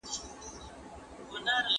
روغتیایی ټولنپوهنه ټولنیز بدلون اسانه کوي.